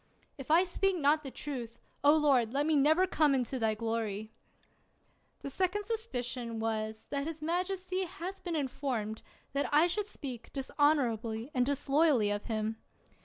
If I speak not truth, O Lord, let me never come into thy glory ! The second suspicion was, that his majesty hath been informed that I should speak dishon 35 THE WORLD'S FAMOUS ORATIONS orably and disloyally of him.